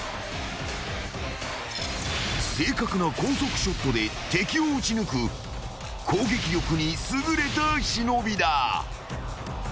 ［正確な高速ショットで敵を撃ち抜く攻撃力に優れた忍だ］